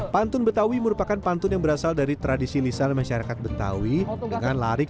pantun betawi merupakan pantun yang berasal dari tradisi lisan masyarakat betawi dengan lari ke